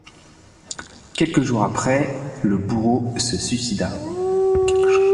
Quelques jours après, le bourreau se suicida.